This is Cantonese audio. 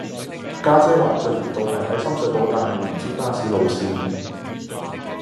家姐話聚魚道係喺深水埗但係唔知巴士路線